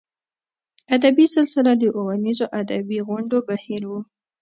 ادبي سلسله د اوونیزو ادبي غونډو بهیر و.